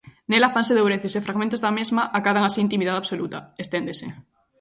"Nela fanse dobreces e fragmentos da mesma acadan así intimidade absoluta", esténdese.